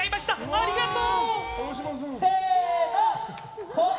ありがとう！